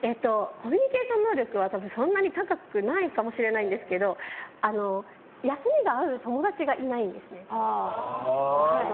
コミュニケーション能力は多分そんなに高くないかもしれないんですけど休みが合う友達がいないんですね。